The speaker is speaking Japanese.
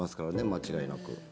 間違いなく。